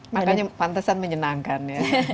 makanya pantesan menyenangkan ya